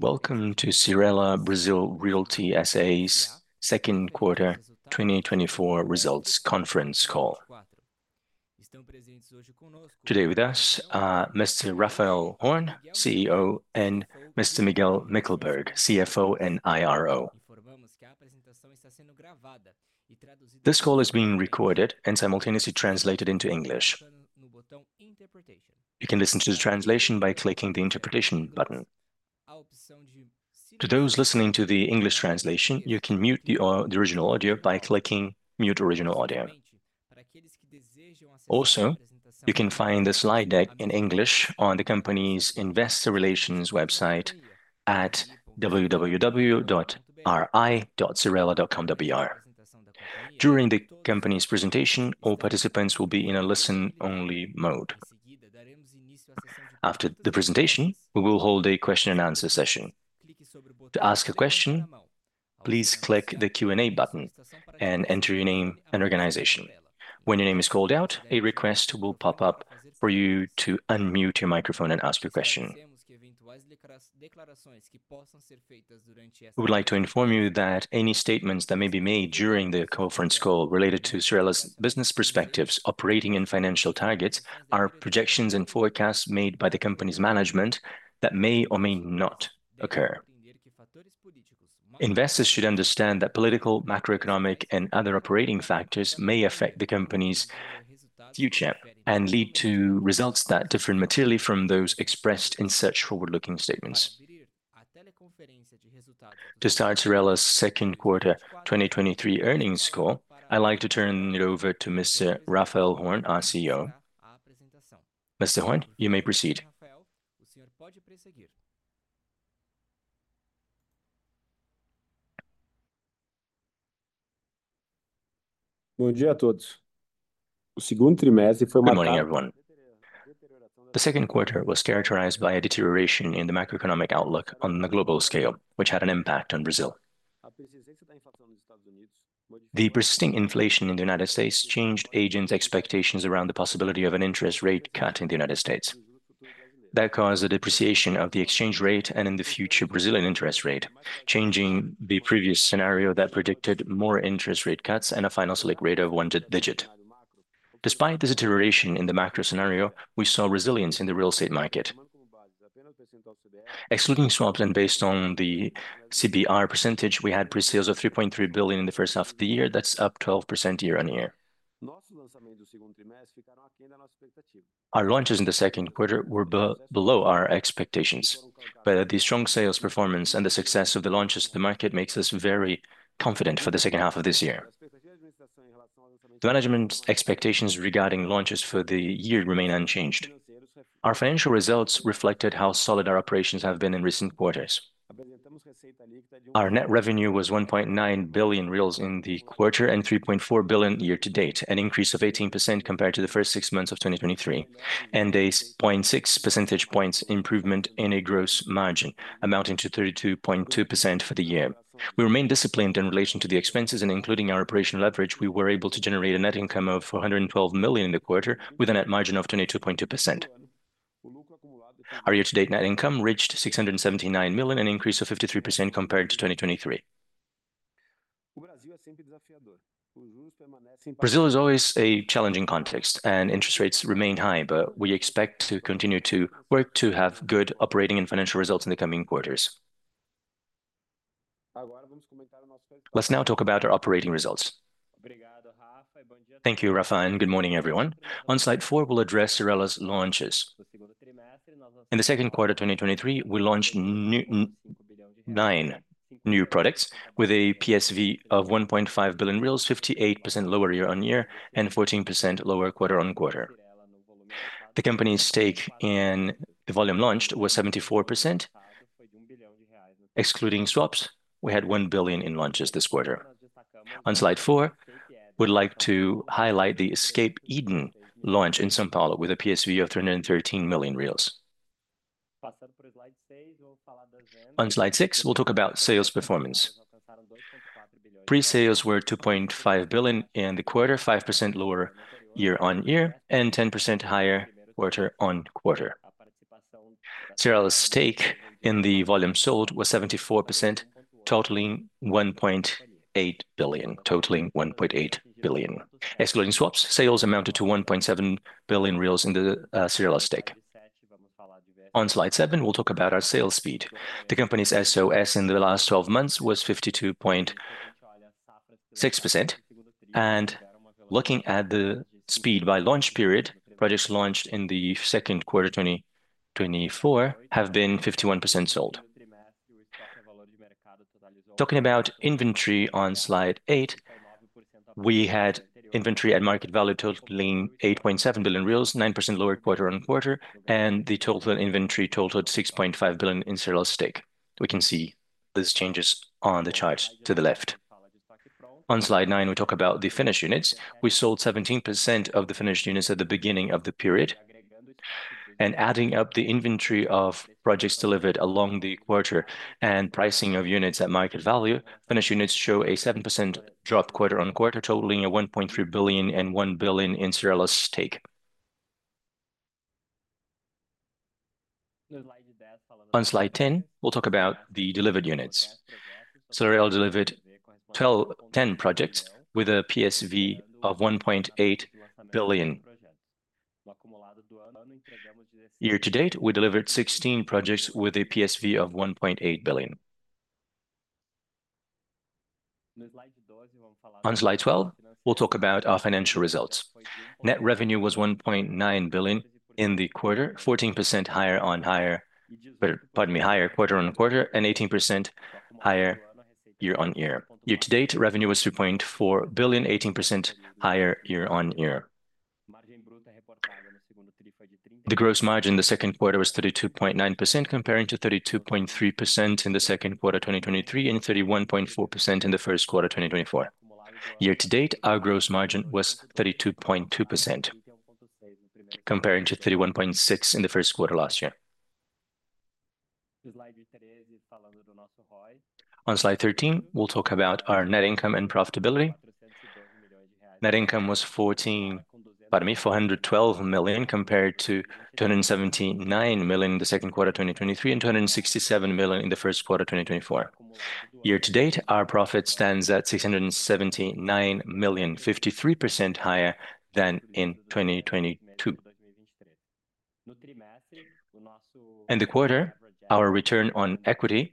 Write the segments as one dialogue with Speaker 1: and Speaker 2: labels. Speaker 1: Welcome to Cyrela Brazil Realty S.A.'s second quarter 2024 results conference call. Today with us are Mr. Raphael Horn, CEO, and Mr. Miguel Mickelberg, CFO and IRO. This call is being recorded and simultaneously translated into English. You can listen to the translation by clicking the Interpretation button. To those listening to the English translation, you can mute the original audio by clicking Mute Original Audio. Also, you can find the slide deck in English on the company's investor relations website at www.ri.cyrela.com.br. During the company's presentation, all participants will be in a listen-only mode. After the presentation, we will hold a question-and-answer session. To ask a question, please click the Q&A button and enter your name and organization. When your name is called out, a request will pop up for you to unmute your microphone and ask your question. We would like to inform you that any statements that may be made during the conference call related to Cyrela's business perspectives, operating and financial targets, are projections and forecasts made by the company's management that may or may not occur. Investors should understand that political, macroeconomic, and other operating factors may affect the company's future and lead to results that differ materially from those expressed in such forward-looking statements. To start Cyrela's second quarter 2023 earnings call, I'd like to turn it over to Mr. Raphael Horn, our CEO. Mr. Horn, you may proceed.
Speaker 2: Good morning, everyone. The second quarter was characterized by a deterioration in the macroeconomic outlook on the global scale, which had an impact on Brazil. The persisting inflation in the United States changed agents' expectations around the possibility of an interest rate cut in the United States. That caused a depreciation of the exchange rate and in the future Brazilian interest rate, changing the previous scenario that predicted more interest rate cuts and a final Selic rate of one digit. Despite this deterioration in the macro scenario, we saw resilience in the real estate market. Excluding swaps and based on the CBR percentage, we had pre-sales of 3.3 billion in the first half of the year. That's up 12% year-on-year. Our launches in the second quarter were below our expectations, but the strong sales performance and the success of the launches to the market makes us very confident for the second half of this year. The management's expectations regarding launches for the year remain unchanged. Our financial results reflected how solid our operations have been in recent quarters. Our net revenue was 1.9 billion reais in the quarter and 3.4 billion year to date, an increase of 18% compared to the first six months of 2023, and a 0.6 percentage points improvement in a gross margin, amounting to 32.2% for the year. We remain disciplined in relation to the expenses, and including our operational leverage, we were able to generate a net income of 412 million in the quarter, with a net margin of 22.2%. Our year-to-date net income reached 679 million, an increase of 53% compared to 2023. Brazil is always a challenging context, and interest rates remain high, but we expect to continue to work to have good operating and financial results in the coming quarters. Let's now talk about our operating results.
Speaker 3: Thank you, Raphael, and good morning, everyone. On slide 4, we'll address Cyrela's launches. In the second quarter of 2023, we launched nine new products with a PSV of 1.5 billion reais, 58% lower year-on-year and 14% lower quarter-on-quarter. The company's stake in the volume launched was 74%. Excluding swaps, we had 1 billion in launches this quarter. On slide 4, we'd like to highlight the Escape Eden launch in São Paulo with a PSV of 313 million. On slide 6, we'll talk about sales performance. Pre-sales were 2.5 billion in the quarter, 5% lower year-on-year, and 10% higher quarter-on-quarter. Cyrela's stake in the volume sold was 74%, totaling 1.8 billion. Excluding swaps, sales amounted to 1.7 billion in the Cyrela stake. On slide seven, we'll talk about our sales speed. The company's SOS in the last twelve months was 52.6%, and looking at the speed by launch period, projects launched in the second quarter 2024 have been 51% sold. Talking about inventory on Slide eight, we had inventory at market value totaling 8.7 billion reais, 9% lower quarter-on-quarter, and the total inventory totaled 6.5 billion in Cyrela's stake. We can see these changes on the chart to the left. On Slide nine, we talk about the finished units. We sold 17% of the finished units at the beginning of the period, and adding up the inventory of projects delivered along the quarter and pricing of units at market value, finished units show a 7% drop quarter-over-quarter, totaling 1.3 billion and 1 billion in Cyrela's stake... On Slide 10, we'll talk about the delivered units. Cyrela delivered 10 projects with a PSV of 1.8 billion. Year to date, we delivered 16 projects with a PSV of 1.8 billion. On Slide 12, we'll talk about our financial results. Net revenue was 1.9 billion in the quarter, 14% higher... Pardon me, higher quarter-over-quarter, and 18% higher year-over-year. Year to date, revenue was 2.4 billion, 18% higher year-over-year. The gross margin in the second quarter was 32.9%, comparing to 32.3% in the second quarter of 2023, and 31.4% in the first quarter of 2024. Year to date, our gross margin was 32.2%, comparing to 31.6% in the first quarter last year. On Slide 13, we'll talk about our net income and profitability. Net income was fourteen, pardon me, 412 million, compared to 279 million in the second quarter of 2023, and 267 million in the first quarter of 2024. Year to date, our profit stands at 679 million, 53% higher than in 2022. In the quarter, our return on equity,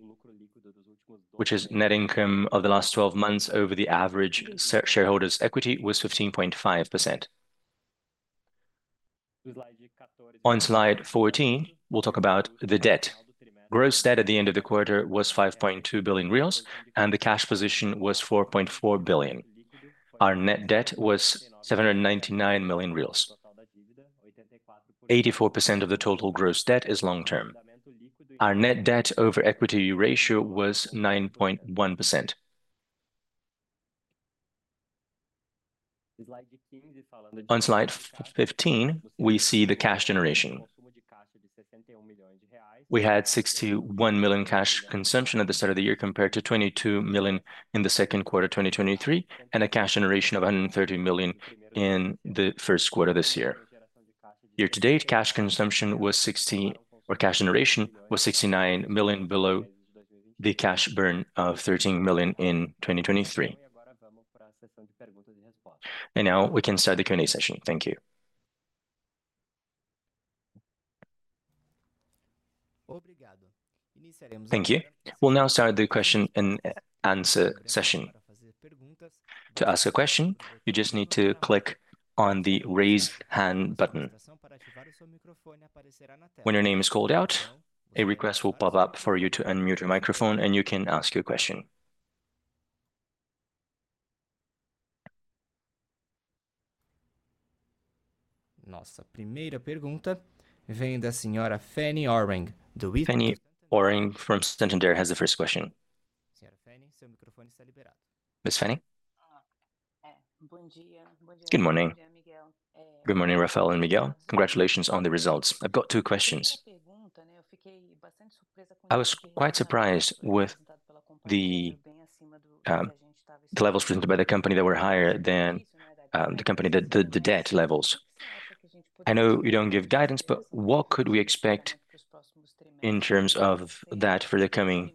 Speaker 3: which is net income of the last twelve months over the average shareholders' equity, was 15.5%. On Slide 14, we'll talk about the debt. Gross debt at the end of the quarter was 5.2 billion reais, and the cash position was 4.4 billion. Our net debt was 799 million reais. 84% of the total gross debt is long-term. Our net debt over equity ratio was 9.1%. On Slide 15, we see the cash generation. We had 61 million cash consumption at the start of the year, compared to 22 million in the second quarter of 2023, and a cash generation of 130 million in the first quarter this year. Year to date, cash consumption was 60... Our cash generation was 69 million, below the cash burn of 13 million in 2023. Now we can start the Q&A session. Thank you. Thank you. We'll now start the question and answer session. To ask a question, you just need to click on the Raise Hand button. When your name is called out, a request will pop up for you to unmute your microphone, and you can ask your question.
Speaker 1: Fanny Oreng from Santander has the first question. Ms. Fanny?
Speaker 4: Good morning. Good morning, Raphael and Miguel. Congratulations on the results. I've got two questions. I was quite surprised with the levels presented by the company that were higher than the company, the debt levels. I know you don't give guidance, but what could we expect in terms of that for the coming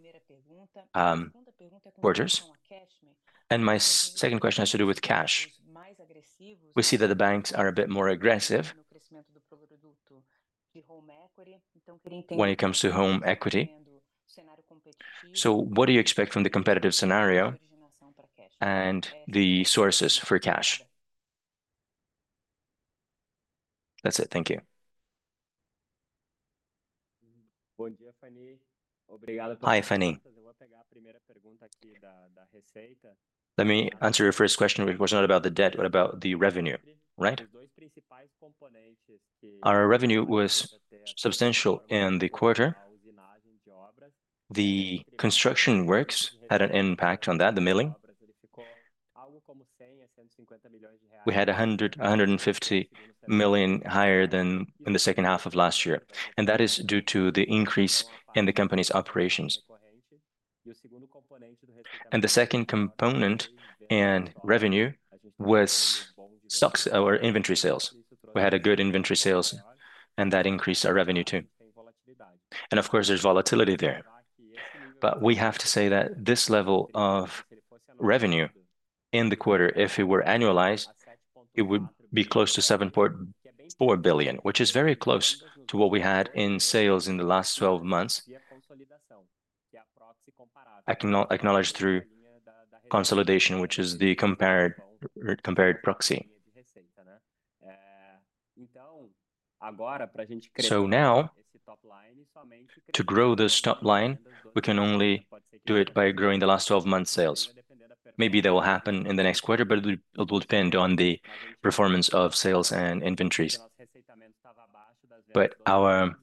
Speaker 4: quarters? And my second question has to do with cash. We see that the banks are a bit more aggressive when it comes to home equity. So what do you expect from the competitive scenario and the sources for cash? That's it. Thank you.
Speaker 2: Hi, Fanny. Let me answer your first question, which was not about the debt, but about the revenue, right? Our revenue was substantial in the quarter. The construction works had an impact on that, the billing. We had 150 million higher than in the second half of last year, and that is due to the increase in the company's operations. The second component in revenue was stocks or inventory sales. We had a good inventory sales, and that increased our revenue, too. Of course, there's volatility there. But we have to say that this level of revenue in the quarter, if it were annualized, it would be close to 7.4 billion, which is very close to what we had in sales in the last 12 months, acknowledged through consolidation, which is the compared proxy. Now, to grow this top line, we can only do it by growing the last 12 months' sales. Maybe that will happen in the next quarter, but it will depend on the performance of sales and inventories. But our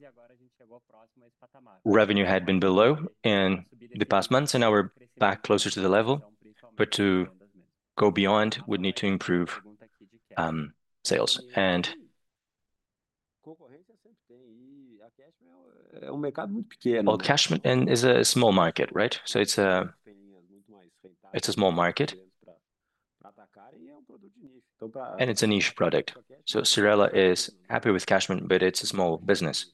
Speaker 2: revenue had been below in the past months, and now we're back closer to the level. But to go beyond, we'd need to improve sales. And... Well, CashMe is a small market, right? So it's a small market, and it's a niche product. So Cyrela is happy with CashMe, but it's a small business.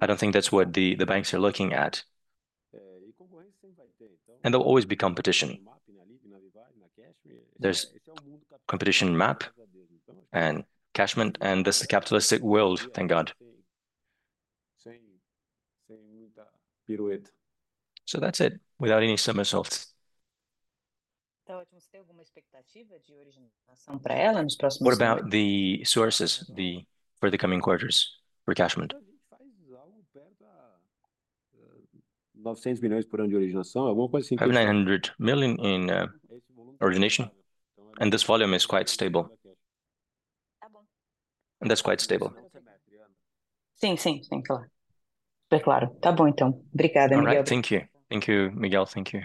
Speaker 2: I don't think that's what the banks are looking at, and there'll always be competition. There's competition map and CashMe, and this is a capitalistic world, thank God. So that's it, without any somersaults. What about the sources for the coming quarters for CashMe? Have 900 million in origination, and this volume is quite stable. And that's quite stable.
Speaker 4: All right. Thank you. Thank you, Miguel.
Speaker 1: Thank you,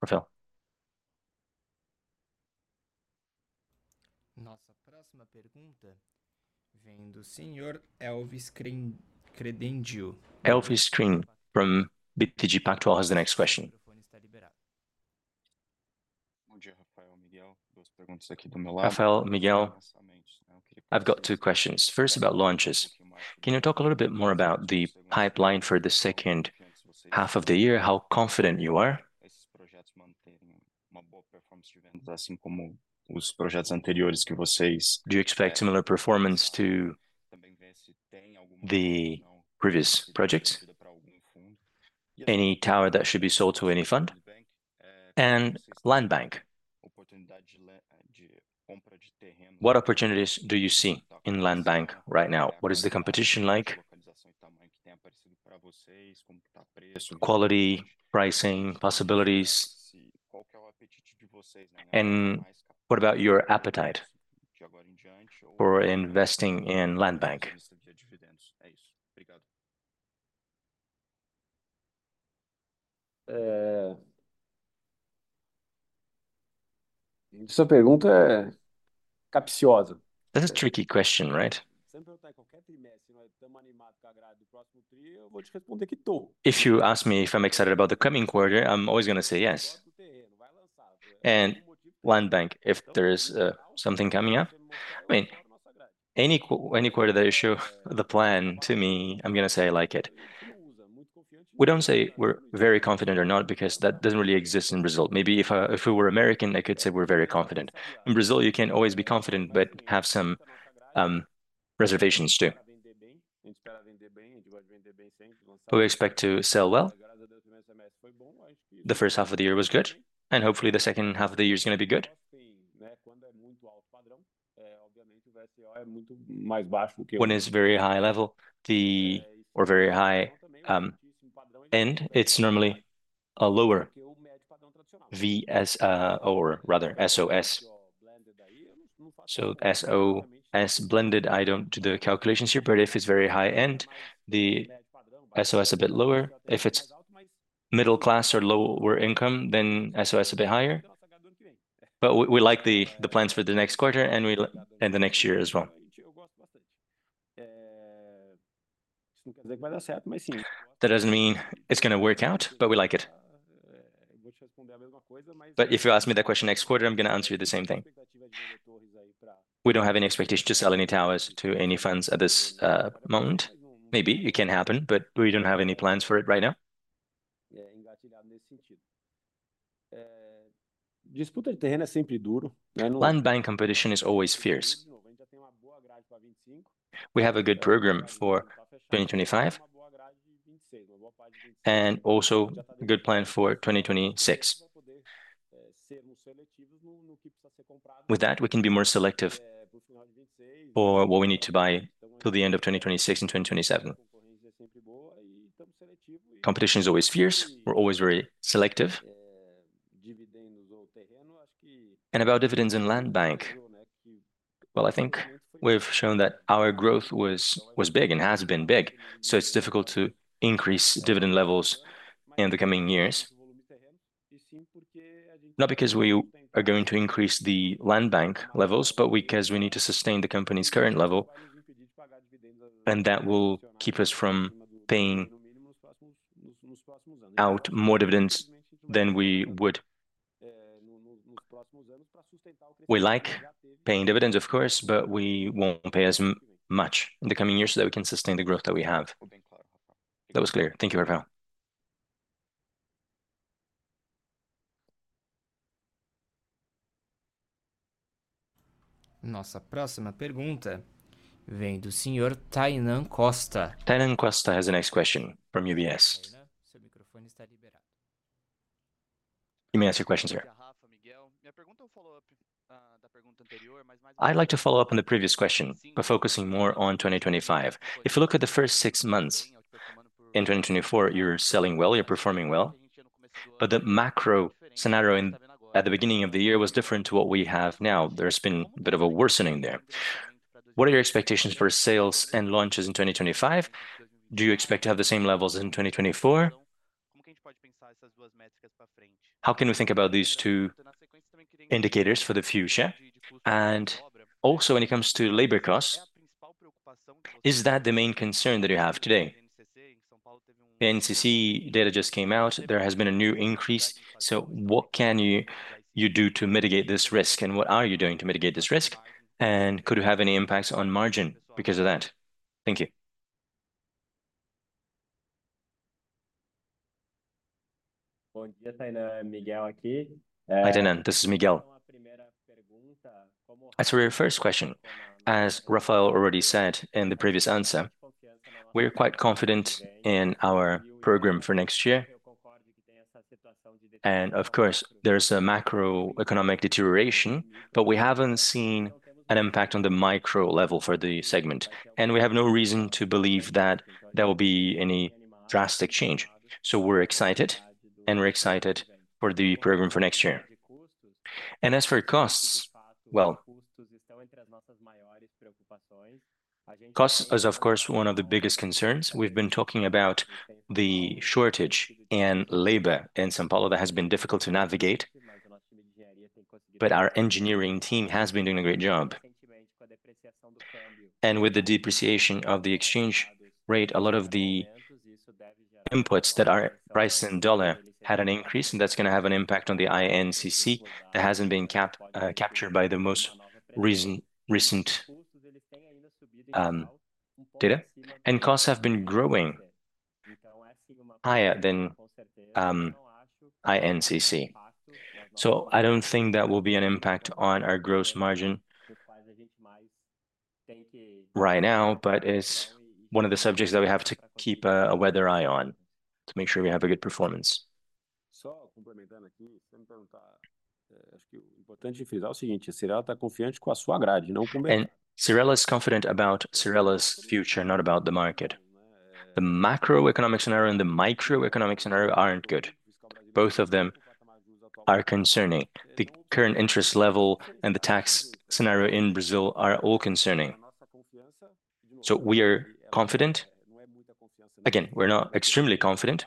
Speaker 1: Rafael. Elvis Credendio from BTG Pactual has the next question.
Speaker 5: Raphael, Miguel, I've got two questions, first about launches. Can you talk a little bit more about the pipeline for the second half of the year, how confident you are? Do you expect similar performance to the previous projects? Any tower that should be sold to any fund? And land bank, what opportunities do you see in land bank right now? What is the competition like? Quality, pricing, possibilities, and what about your appetite for investing in land bank?
Speaker 2: That's a tricky question, right? If you ask me if I'm excited about the coming quarter, I'm always gonna say yes. And land bank, if there is something coming up, I mean, any quarter they show the plan to me, I'm gonna say I like it. We don't say we're very confident or not because that doesn't really exist in Brazil. Maybe if we were American, I could say we're very confident. In Brazil, you can always be confident but have some reservations, too. We expect to sell well. The first half of the year was good, and hopefully the second half of the year is gonna be good. When it's very high level, or very high end, it's normally a lower VSO or rather SOS. So SOS blended, I don't do the calculations here, but if it's very high-end, the SOS a bit lower. If it's middle class or lower income, then SOS a bit higher. But we like the plans for the next quarter, and we like the next year as well. That doesn't mean it's gonna work out, but we like it. But if you ask me that question next quarter, I'm gonna answer you the same thing. We don't have any expectation to sell any towers to any funds at this moment. Maybe it can happen, but we don't have any plans for it right now. Land bank competition is always fierce. We have a good program for 2025 and also a good plan for 2026. With that, we can be more selective for what we need to buy till the end of 2026 and 2027. Competition is always fierce. We're always very selective. And about dividends in land bank, well, I think we've shown that our growth was big and has been big, so it's difficult to increase dividend levels in the coming years. Not because we are going to increase the land bank levels, but because we need to sustain the company's current level, and that will keep us from paying out more dividends than we would. We like paying dividends, of course, but we won't pay as much in the coming years, so that we can sustain the growth that we have. That was clear. Thank you, Rafael. Tainan Costa has the next question from UBS. You may ask your question, sir. I'd like to follow up on the previous question by focusing more on 2025. If you look at the first six months in 2024, you're selling well, you're performing well, but the macro scenario in, at the beginning of the year was different to what we have now. There's been a bit of a worsening there. What are your expectations for sales and launches in 2025? Do you expect to have the same levels as in 2024? How can we think about these two indicators for the future? And also, when it comes to labor costs-... Is that the main concern that you have today? The INCC data just came out; there has been a new increase, so what can you do to mitigate this risk, and what are you doing to mitigate this risk? And could it have any impacts on margin because of that? Thank you.
Speaker 3: Good day, Miguel aqui. Hi, Tainan, this is Miguel. As for your first question, as Rafael already said in the previous answer, we're quite confident in our program for next year. And of course, there's a macroeconomic deterioration, but we haven't seen an impact on the micro level for the segment, and we have no reason to believe that there will be any drastic change. So we're excited, and we're excited for the program for next year. And as for costs, well, costs is of course one of the biggest concerns. We've been talking about the shortage in labor in São Paulo. That has been difficult to navigate, but our engineering team has been doing a great job. With the depreciation of the exchange rate, a lot of the inputs that are priced in dollar had an increase, and that's gonna have an impact on the INCC that hasn't been captured by the most recent data. Costs have been growing higher than INCC. So I don't think that will be an impact on our gross margin right now, but it's one of the subjects that we have to keep a weather eye on to make sure we have a good performance. Cyrela is confident about Cyrela's future, not about the market. The macroeconomic scenario and the microeconomic scenario aren't good. Both of them are concerning. The current interest level and the tax scenario in Brazil are all concerning. So we are confident. Again, we're not extremely confident,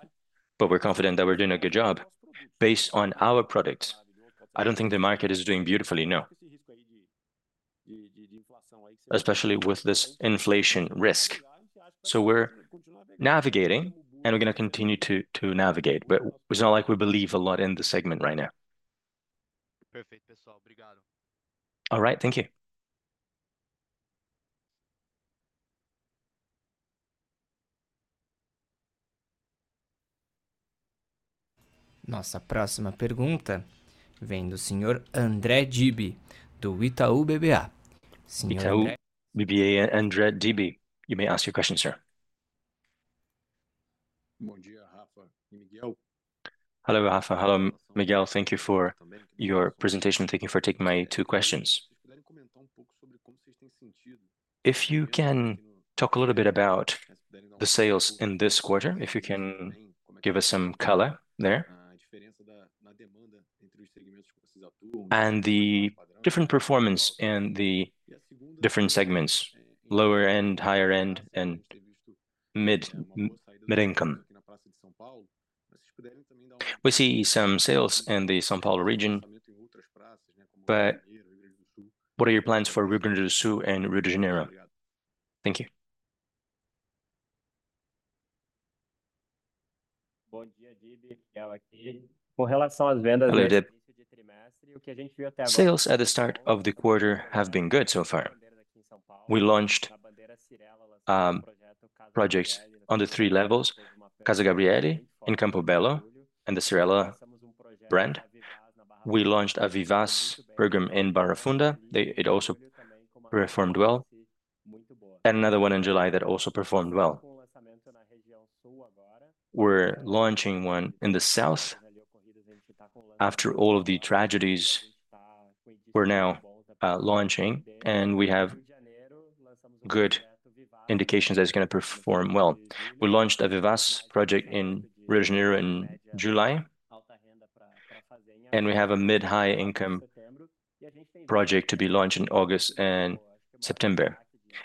Speaker 3: but we're confident that we're doing a good job based on our products. I don't think the market is doing beautifully, no, especially with this inflation risk. So we're navigating, and we're gonna continue to navigate, but it's not like we believe a lot in the segment right now. Perfect.
Speaker 5: All right, thank you.
Speaker 1: Nossa próxima pergunta vem do senhor André Dibe, do Itaú BBA. Senhor André-Itaú BBA, André Dibe, you may ask your question, sir.
Speaker 6: Good day, Rafa and Miguel. Hello, Rafa. Hello, Miguel. Thank you for your presentation. Thank you for taking my two questions. If you can talk a little bit about the sales in this quarter, if you can give us some color there, and the different performance in the different segments, lower end, higher end, and mid income. We see some sales in the São Paulo region, but what are your plans for Rio Grande do Sul and Rio de Janeiro?
Speaker 2: Thank you. Hello, Dib. Sales at the start of the quarter have been good so far. We launched projects on the three levels, Casa Gabrielle in Campo Belo, and the Cyrela brand. We launched a Vivaz program in Barra Funda. It also performed well. And another one in July that also performed well. We're launching one in the south. After all of the tragedies, we're now launching, and we have good indications that it's gonna perform well. We launched a Vivaz project in Rio de Janeiro in July, and we have a mid-high income project to be launched in August and September.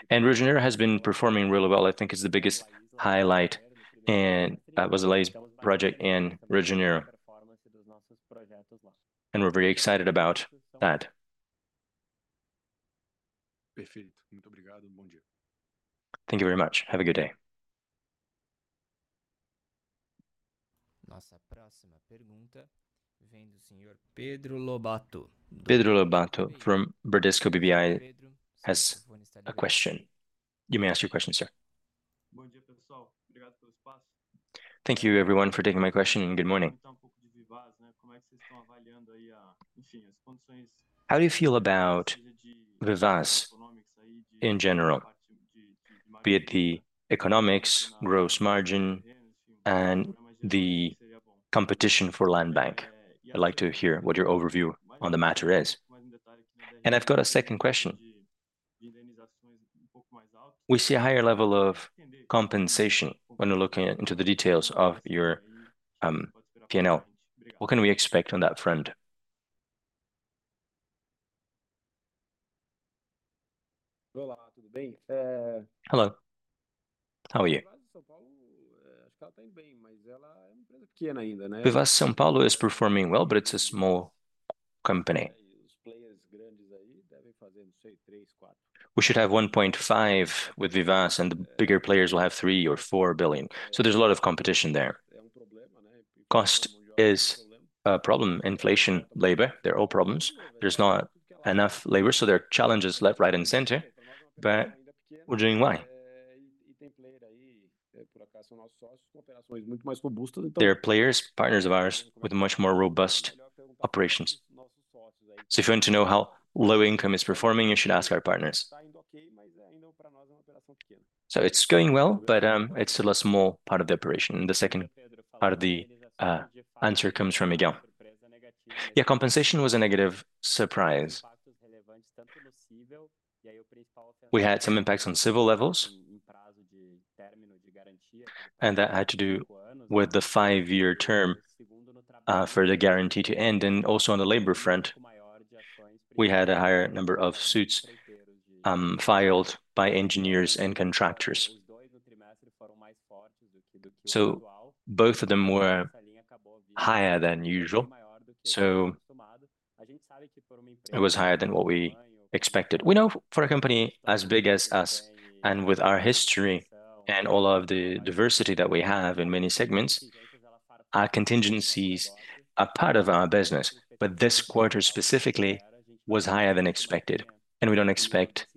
Speaker 2: And Rio de Janeiro has been performing really well. I think it's the biggest highlight, and was the latest project in Rio de Janeiro, and we're very excited about that. Thank you very much. Have a good day.
Speaker 1: Nossa próxima pergunta vem do senhor Pedro Lobato. Pedro Lobato from Bradesco BBI has a question. You may ask your question, sir. Good day, everyone.
Speaker 7: Thank you everyone for taking my question, and good morning. How do you feel about Vivaz in general, be it the economics, gross margin, and the competition for land bank? I'd like to hear what your overview on the matter is. And I've got a second question: We see a higher level of compensation when we're looking into the details of your P&L. What can we expect on that front?
Speaker 2: Hello, how are you? Vivaz São Paulo is performing well, but it's a small company. We should have 1.5 billion with Vivaz, and the bigger players will have 3 billion or 4 billion. So there's a lot of competition there. Cost is a problem. Inflation, labor, they're all problems. There's not enough labor, so there are challenges left, right, and center, but we're doing fine. There are players, partners of ours, with much more robust operations. So if you want to know how low income is performing, you should ask our partners. So it's going well, but it's still a small part of the operation, and the second part of the answer comes from Miguel.
Speaker 3: Yeah, compensation was a negative surprise. We had some impacts on civil levels, and that had to do with the five-year term for the guarantee to end. And also on the labor front, we had a higher number of suits filed by engineers and contractors. So both of them were higher than usual, so it was higher than what we expected. We know for a company as big as us and with our history and all of the diversity that we have in many segments, our contingencies are part of our business, but this quarter specifically was higher than expected, and we don't expect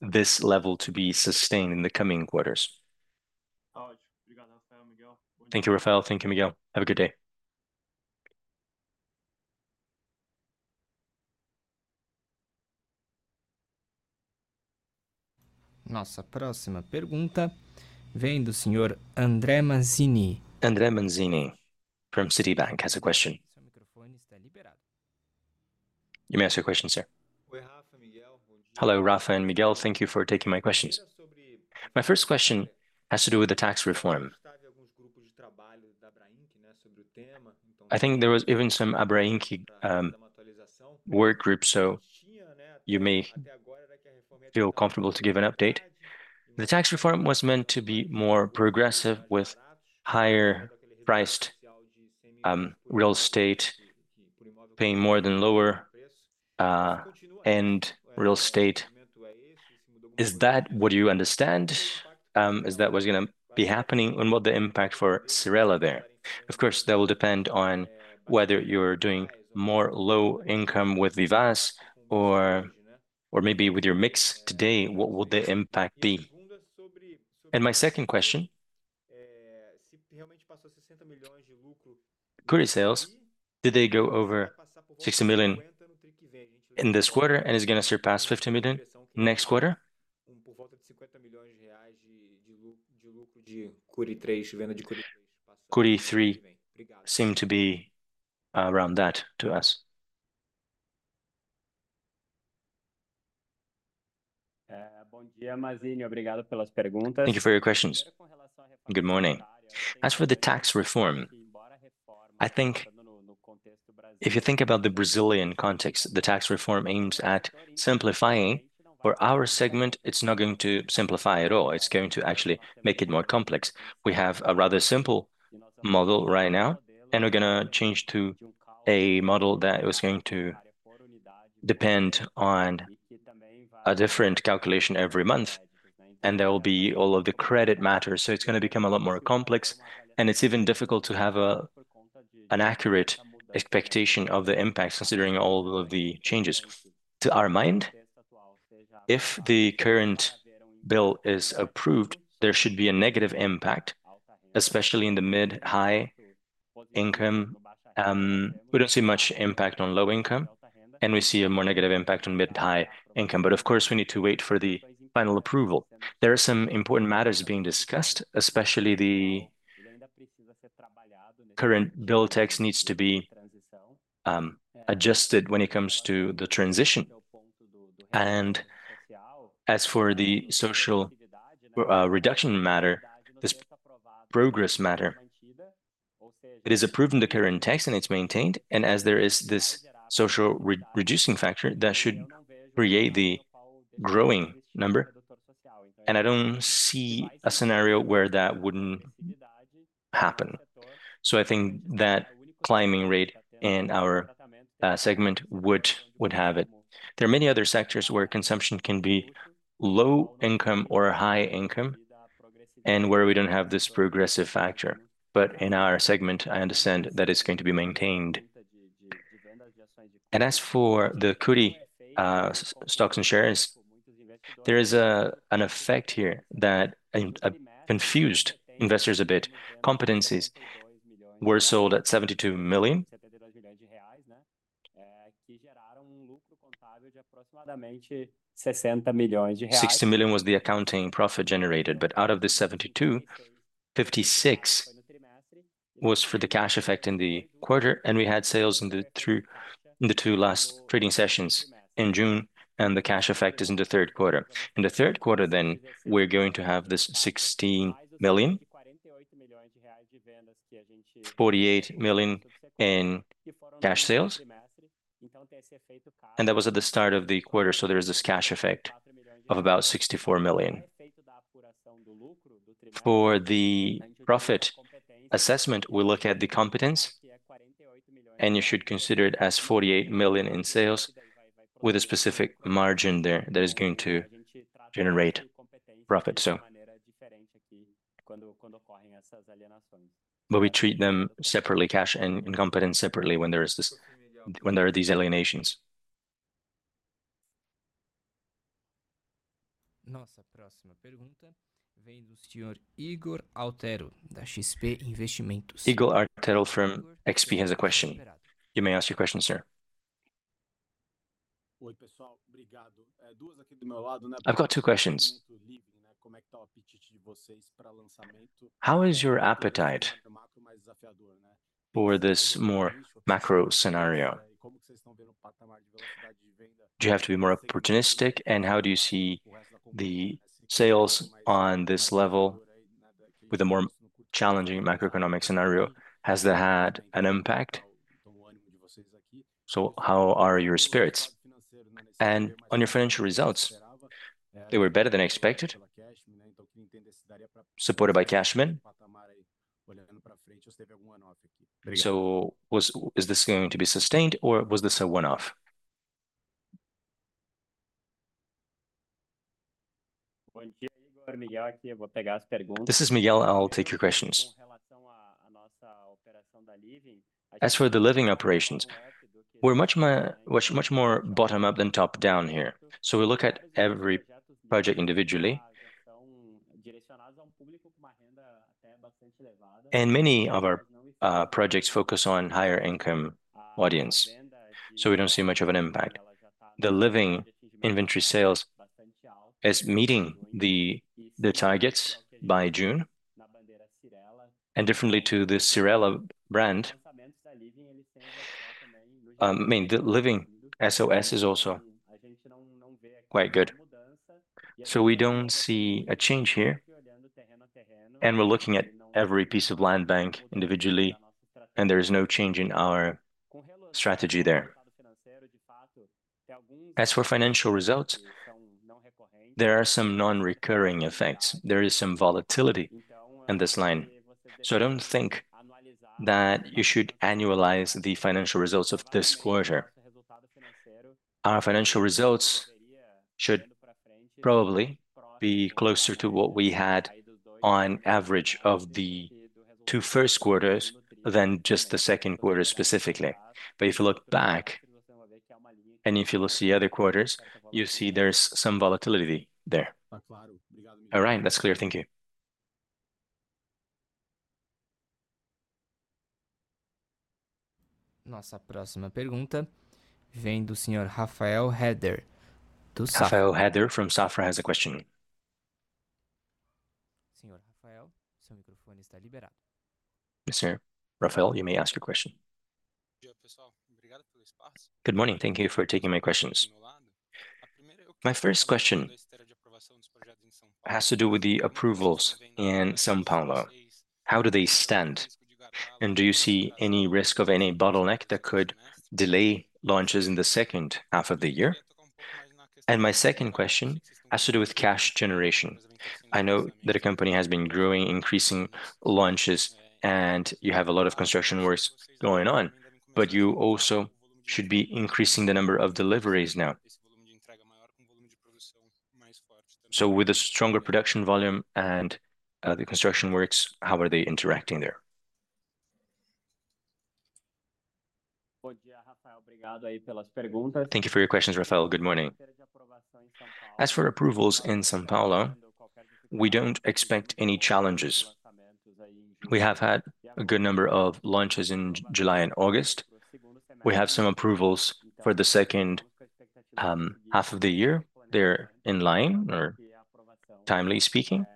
Speaker 3: this level to be sustained in the coming quarters.
Speaker 7: Thank you, Rafael. Thank you, Miguel. Have a good day.
Speaker 1: Nossa próxima pergunta vem do senhor André Mazini. André Mazini from Citibank has a question. You may ask your question, sir.
Speaker 8: Hello, Rafa and Miguel. Thank you for taking my questions. My first question has to do with the tax reform. I think there was even some ABRAINC work group, so you may feel comfortable to give an update. The tax reform was meant to be more progressive, with higher priced real estate paying more than lower end real estate. Is that what you understand? Is that what's gonna be happening, and what the impact for Cyrela there? Of course, that will depend on whether you're doing more low income with Vivaz or, or maybe with your mix today, what will the impact be? And my second question: Cury sales, did they go over 60 million in this quarter, and is it gonna surpass 50 million next quarter? CURY3 seem to be around that to us.
Speaker 2: Thank you for your questions. Good morning. As for the tax reform, I think if you think about the Brazilian context, the tax reform aims at simplifying. For our segment, it's not going to simplify at all. It's going to actually make it more complex. We have a rather simple model right now, and we're gonna change to a model that is going to depend on a different calculation every month, and there will be all of the credit matters. So it's gonna become a lot more complex, and it's even difficult to have an accurate expectation of the impacts considering all of the changes. To our mind, if the current bill is approved, there should be a negative impact, especially in the mid-high income. We don't see much impact on low income, and we see a more negative impact on mid-high income, but of course, we need to wait for the final approval. There are some important matters being discussed, especially the current bill text needs to be adjusted when it comes to the transition. As for the social reduction matter, this progressive matter, it is approved in the current tax, and it's maintained, and as there is this social reducing factor, that should create the growing number, and I don't see a scenario where that wouldn't happen. So I think that climbing rate in our segment would have it. There are many other sectors where consumption can be low-income or high-income, and where we don't have this progressive factor. But in our segment, I understand that it's going to be maintained. And as for the Cury stocks and shares, there is an effect here that confused investors a bit. Competence were sold at 72 million. 60 million was the accounting profit generated, but out of the 72 million, 56 million was for the cash effect in the quarter, and we had sales in the 2, in the 2 last trading sessions in June, and the cash effect is in the third quarter. In the third quarter, then, we're going to have this 16 million, 48 million in cash sales, and that was at the start of the quarter, so there is this cash effect of about 64 million. For the profit assessment, we look at the competence, and you should consider it as 48 million in sales with a specific margin there that is going to generate profit. But we treat them separately, cash and competence separately when there are these alienations.
Speaker 1: Ygor Altero from XP has a question. You may ask your question, sir. I've got two questions.
Speaker 9: How is your appetite for this more macro scenario? Do you have to be more opportunistic, and how do you see the sales on this level with a more challenging macroeconomic scenario? Has that had an impact? So how are your spirits? And on your financial results, they were better than expected, supported by CashMe. So was-- is this going to be sustained or was this a one-off?
Speaker 3: This is Miguel. I'll take your questions. As for the Living operations, we're much more, much, much more bottom-up than top-down here. So we look at every project individually. And many of our projects focus on higher income audience, so we don't see much of an impact. The Living inventory sales is meeting the targets by June. And differently to the Cyrela brand, I mean, the Living SOS is also quite good. So we don't see a change here, and we're looking at every piece of land bank individually, and there is no change in our strategy there. As for financial results, there are some non-recurring effects. There is some volatility in this line. So I don't think that you should annualize the financial results of this quarter. Our financial results should probably be closer to what we had on average of the two first quarters than just the second quarter specifically. But if you look back, and if you look the other quarters, you'll see there's some volatility there.
Speaker 9: All right, that's clear. Thank you.
Speaker 1: Rafael Rehder from Safra has a question. Yes, sir. Rafael, you may ask your question.
Speaker 10: Good morning. Thank you for taking my questions. My first question has to do with the approvals in São Paulo. How do they stand, and do you see any risk of any bottleneck that could delay launches in the second half of the year? And my second question has to do with cash generation. I know that a company has been growing, increasing launches, and you have a lot of construction works going on, but you also should be increasing the number of deliveries now. So with a stronger production volume and the construction works, how are they interacting there?
Speaker 3: Thank you for your questions, Rafael. Good morning. As for approvals in São Paulo, we don't expect any challenges. We have had a good number of launches in July and August. We have some approvals for the second half of the year. They're in line or timely speaking.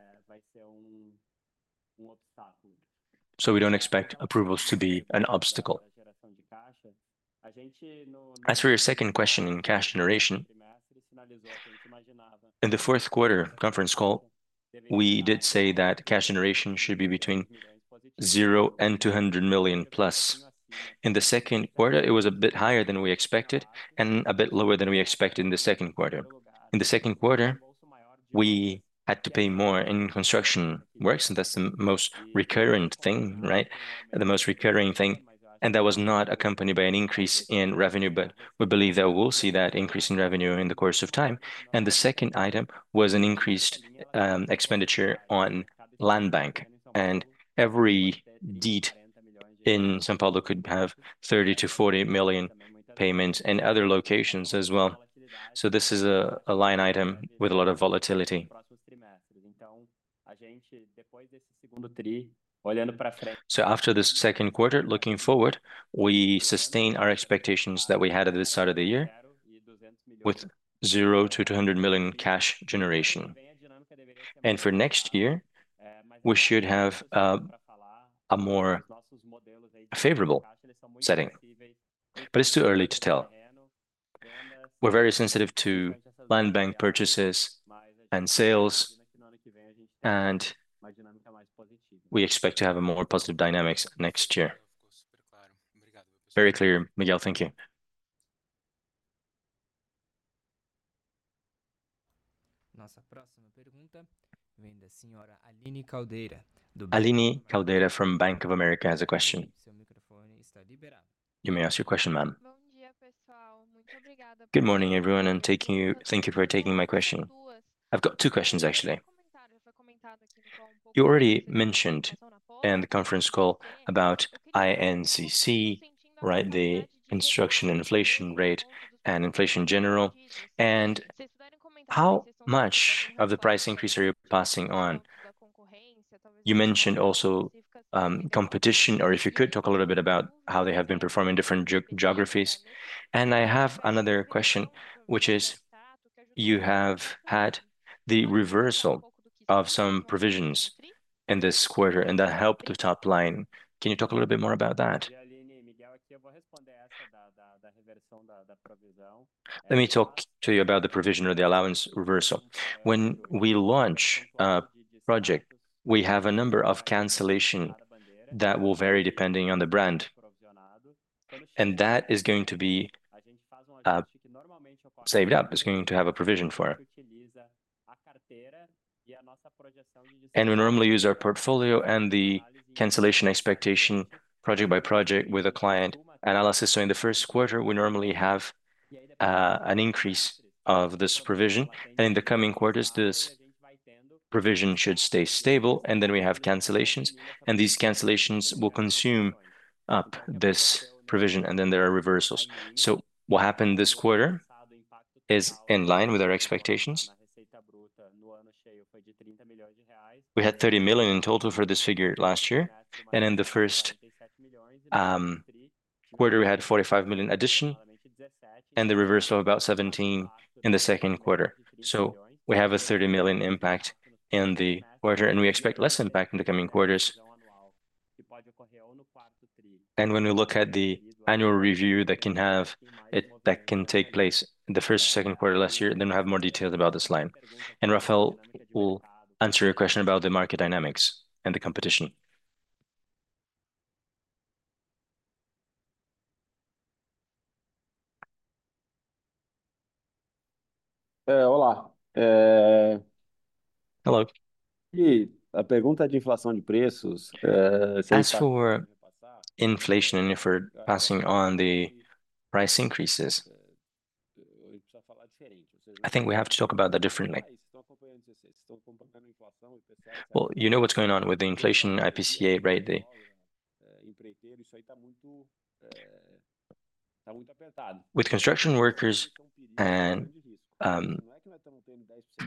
Speaker 3: So we don't expect approvals to be an obstacle. As for your second question in cash generation, in the fourth quarter conference call, we did say that cash generation should be between 0 and 200 million plus. In the second quarter, it was a bit higher than we expected and a bit lower than we expected in the second quarter. In the second quarter, we had to pay more in construction works, and that's the most recurrent thing, right? The most recurring thing, and that was not accompanied by an increase in revenue, but we believe that we'll see that increase in revenue in the course of time. And the second item was an increased expenditure on land bank, and every deed in São Paulo could have 30 million to 40 million payments in other locations as well. So this is a line item with a lot of volatility. So after the second quarter, looking forward, we sustain our expectations that we had at the start of the year with 0-200 million cash generation. And for next year, we should have a more favorable setting, but it's too early to tell. We're very sensitive to land bank purchases and sales, and we expect to have a more positive dynamics next year.
Speaker 10: Very clear, Miguel, thank you.
Speaker 1: Aline Caldeira from Bank of America has a question. You may ask your question, ma'am.
Speaker 11: Good morning, everyone, and thank you, thank you for taking my question. I've got two questions, actually. You already mentioned in the conference call about INCC, right? The construction inflation rate, and inflation in general, and how much of the price increase are you passing on? You mentioned also, competition, or if you could talk a little bit about how they have been performing in different geographies. And I have another question, which is, you have had the reversal of some provisions in this quarter, and that helped the top line. Can you talk a little bit more about that?
Speaker 3: Let me talk to you about the provision or the allowance reversal. When we launch a project, we have a number of cancellation that will vary depending on the brand, and that is going to be, saved up. It's going to have a provision for it. And we normally use our portfolio and the cancellation expectation project by project with a client analysis. In the first quarter, we normally have an increase of this provision, and in the coming quarters, this provision should stay stable, and then we have cancellations, and these cancellations will consume up this provision, and then there are reversals. What happened this quarter is in line with our expectations. We had 30 million in total for this figure last year, and in the first quarter, we had 45 million addition, and the reversal of about 17 million in the second quarter. We have a 30 million impact in the quarter, and we expect less impact in the coming quarters. When we look at the annual review that can take place in the first or second quarter last year, and then we'll have more details about this line. Rafael will answer your question about the market dynamics and the competition.
Speaker 2: Hello. As for inflation, and if we're passing on the price increases, I think we have to talk about that differently. Well, you know what's going on with the inflation IPCA, right? With construction workers and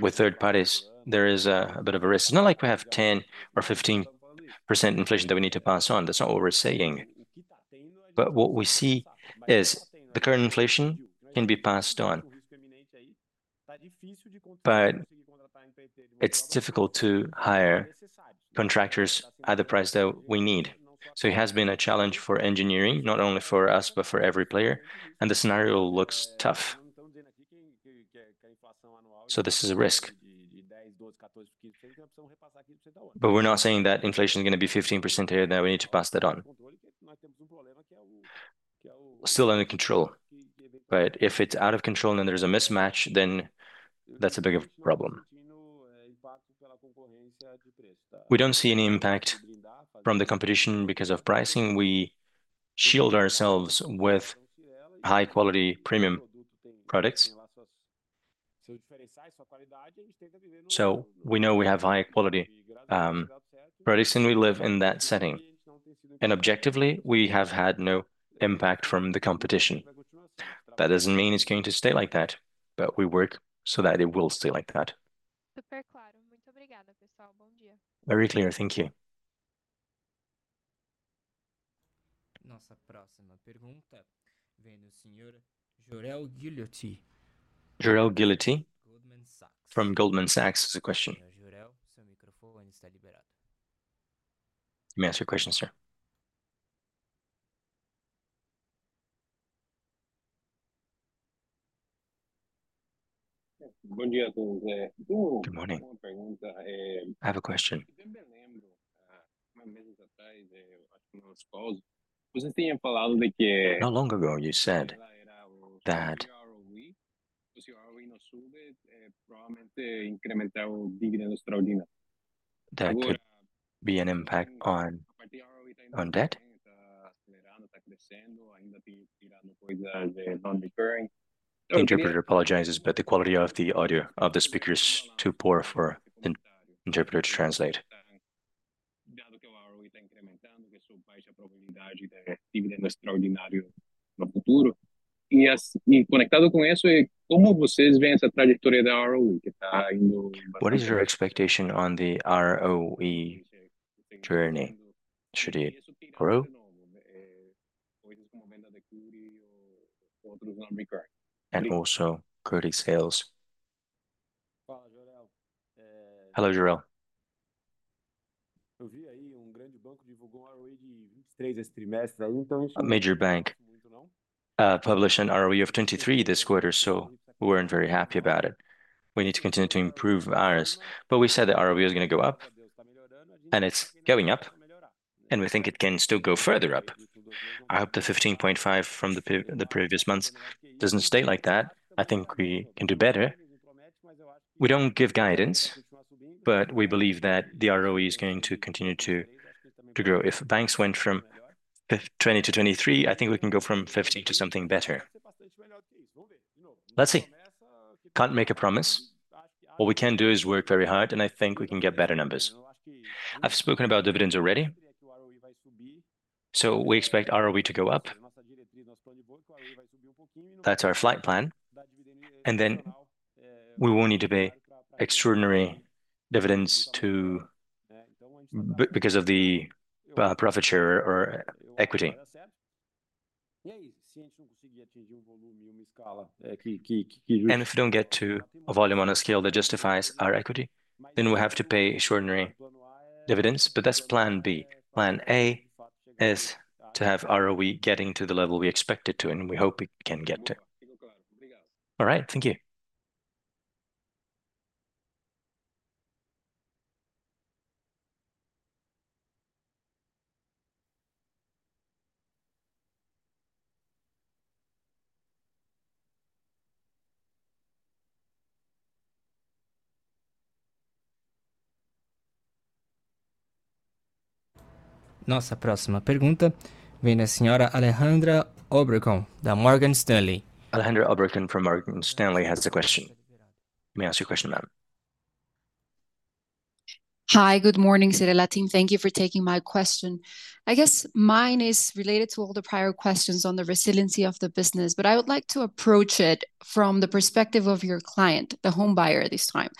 Speaker 2: with third parties, there is a bit of a risk. It's not like we have 10% or 15% inflation that we need to pass on. That's not what we're saying. But what we see is the current inflation can be passed on, but it's difficult to hire contractors at the price that we need. So it has been a challenge for engineering, not only for us, but for every player, and the scenario looks tough. So this is a risk. But we're not saying that inflation is gonna be 15% here, then we need to pass that on. Still under control, but if it's out of control and there's a mismatch, then that's a bigger problem. We don't see any impact from the competition because of pricing. We shield ourselves with high-quality premium products. So we know we have high quality, products, and we live in that setting. And objectively, we have had no impact from the competition. That doesn't mean it's going to stay like that, but we work so that it will stay like that.
Speaker 11: Very clear. Thank you.
Speaker 1: Jorel Guilloty from Goldman Sachs has a question. You may ask your question, sir.
Speaker 12: Good morning. I have a question. Not long ago, you said that... There could be an impact on, on that. Interpreter apologizes, but the quality of the audio of the speaker is too poor for the interpreter to translate. What is your expectation on the ROE journey? Should it grow? Also Cury sales.
Speaker 3: Hello, Jorel. A major bank published an ROE of 23% this quarter, so we weren't very happy about it. We need to continue to improve ours. But we said the ROE is gonna go up, and it's going up, and we think it can still go further up. I hope the 15.5% from the previous months doesn't stay like that. I think we can do better. We don't give guidance, but we believe that the ROE is going to continue to grow. If banks went from 20 to 23%, I think we can go from 15 to something better. Let's see. Can't make a promise. What we can do is work very hard, and I think we can get better numbers. I've spoken about dividends already, so we expect ROE to go up. That's our flight plan, and then we will need to pay extraordinary dividends because of the profit share or equity. If we don't get to a volume on a scale that justifies our equity, then we'll have to pay extraordinary dividends, but that's plan B. Plan A is to have ROE getting to the level we expect it to, and we hope we can get to.
Speaker 12: All right. Thank you.
Speaker 1: Alejandra Obregon from Morgan Stanley has a question. You may ask your question, ma'am.
Speaker 13: Hi. Good morning, Cyrela Team. Thank you for taking my question. I guess mine is related to all the prior questions on the resiliency of the business, but I would like to approach it from the perspective of your client, the homebuyer this time.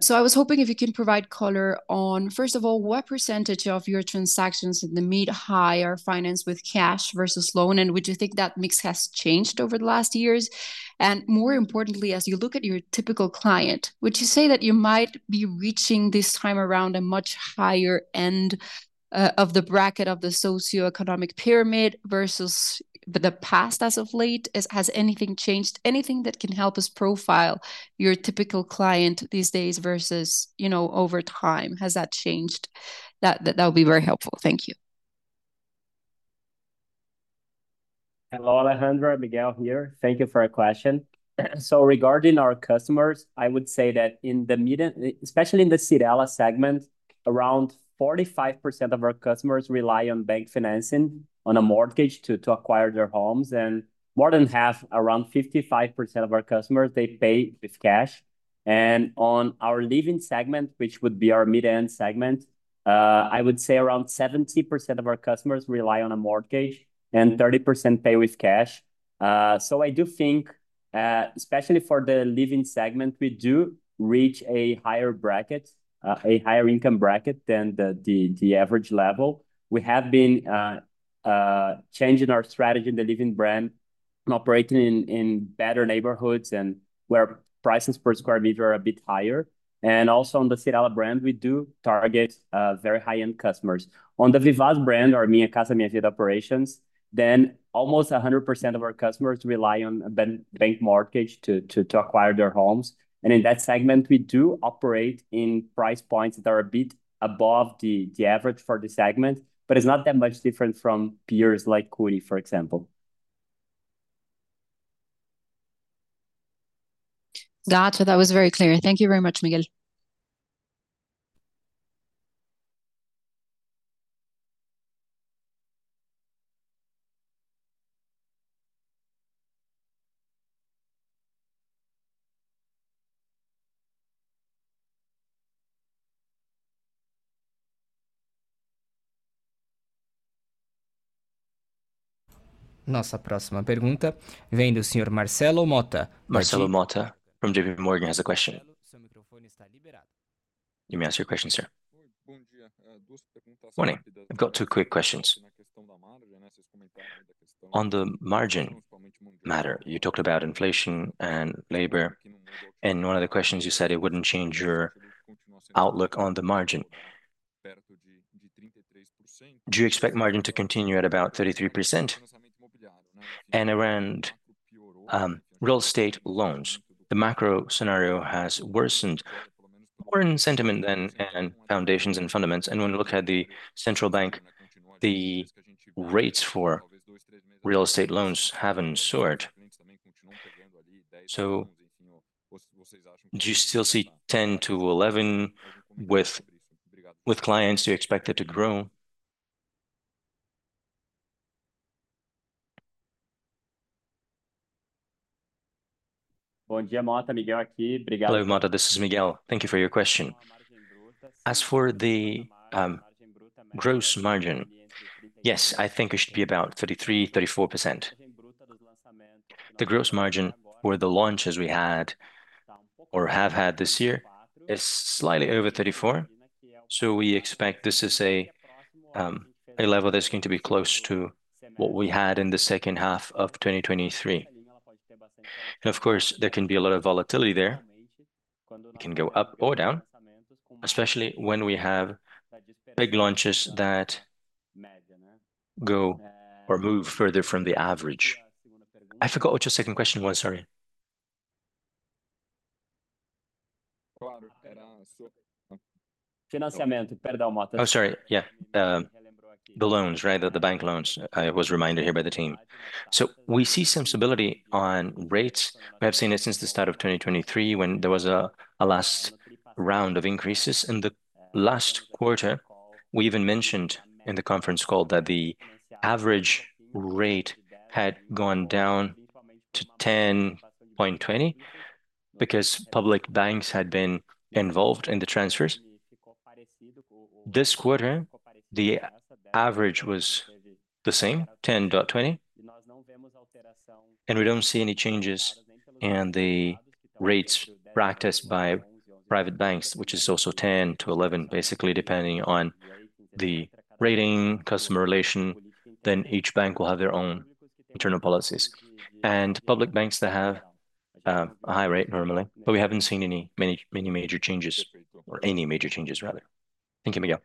Speaker 13: So I was hoping if you can provide color on, first of all, what percentage of your transactions in the mid-high are financed with cash versus loan, and would you think that mix has changed over the last years? And more importantly, as you look at your typical client, would you say that you might be reaching, this time around, a much higher end, of the bracket of the socioeconomic pyramid versus the past, as of late? Has anything changed? Anything that can help us profile your typical client these days versus, you know, over time, has that changed? That would be very helpful. Thank you.
Speaker 3: Hello, Alejandra. Miguel here. Thank you for your question. So regarding our customers, I would say that especially in the Cyrela segment, around 45% of our customers rely on bank financing, on a mortgage to acquire their homes, and more than half, around 55% of our customers, they pay with cash. And on our Living segment, which would be our mid-end segment, I would say around 70% of our customers rely on a mortgage, and 30% pay with cash. So I do think, especially for the Living segment, we do reach a higher bracket, a higher income bracket than the average level. We have been changing our strategy in the Living brand and operating in better neighborhoods and where prices per square meter are a bit higher. Also on the Cyrela brand, we do target very high-end customers. On the Vivaz brand, our Minha Casa Minha Vida operations, almost 100% of our customers rely on the bank mortgage to acquire their homes. In that segment, we do operate in price points that are a bit above the average for the segment, but it's not that much different from peers like Cury, for example.
Speaker 13: Gotcha. That was very clear. Thank you very much, Miguel.
Speaker 1: Marcelo Motta from JP Morgan has a question. You may ask your question, sir. Good morning. I've got two quick questions. On the margin matter, you talked about inflation and labor, and in one of the questions you said it wouldn't change your outlook on the margin. Do you expect margin to continue at about 33%? And around, real estate loans, the macro scenario has worsened, more in sentiment than in foundations and fundamentals, and when we look at the central bank, the rates for real estate loans haven't soared. So do you still see 10-11 with, with clients, do you expect it to grow?
Speaker 3: Hello, Motta, this is Miguel. Thank you for your question. As for the gross margin, yes, I think it should be about 33%-34%. The gross margin for the launches we had or have had this year is slightly over 34%, so we expect this is a level that's going to be close to what we had in the second half of 2023. ... And of course, there can be a lot of volatility there. It can go up or down, especially when we have big launches that go or move further from the average. I forgot what your second question was, sorry. Oh, sorry. Yeah, the loans, right? The bank loans. I was reminded here by the team. So we see some stability on rates. We have seen it since the start of 2023, when there was a last round of increases. In the last quarter, we even mentioned in the conference call that the average rate had gone down to 10.20, because public banks had been involved in the transfers. This quarter, the average was the same, 10.20, and we don't see any changes in the rates practiced by private banks, which is also 10-11, basically, depending on the rating, customer relation, then each bank will have their own internal policies. Public banks, they have a high rate normally, but we haven't seen any major changes, rather.
Speaker 14: Thank you, Miguel.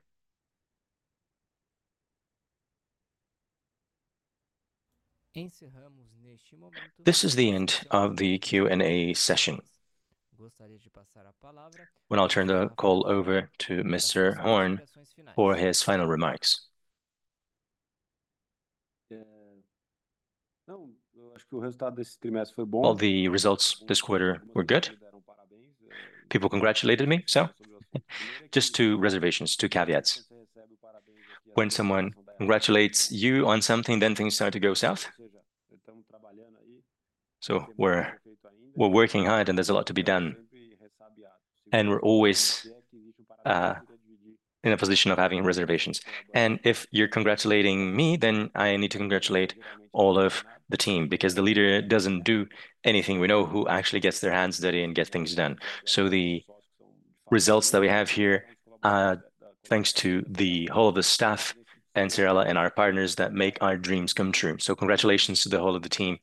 Speaker 1: This is the end of the Q&A session. Well, I'll turn the call over to Mr. Horn for his final remarks.
Speaker 2: All the results this quarter were good. People congratulated me, so just two reservations, two caveats. When someone congratulates you on something, then things start to go south. So we're working hard, and there's a lot to be done, and we're always in a position of having reservations. If you're congratulating me, then I need to congratulate all of the team, because the leader doesn't do anything. We know who actually gets their hands dirty and gets things done. So the results that we have here are thanks to the whole of the staff, and Cyrela, and our partners that make our dreams come true. So congratulations to the whole of the team.